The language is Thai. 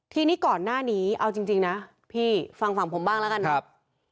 ทีนี้ก่อนหน้านี้เอาจริงนะพี่ฟังฝั่งผมบ้างแล้วกันครับ